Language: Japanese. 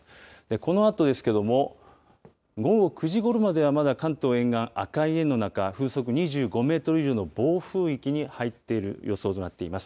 このあとですけれども、午後９時ごろまでは、まだ関東沿岸、赤い円の中、風速２５メートル以上の暴風域に入っている予想となっています。